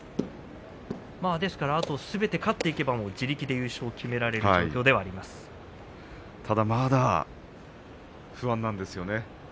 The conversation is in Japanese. ですからあとすべて勝っていけばもう自力で優勝を決められる状況ただまだ不安なんですよね。